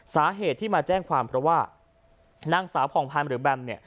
สาเหตุที่มาแจ้งความเพราะว่านางสาวผ่องพันธ์หรือแบมเนี่ย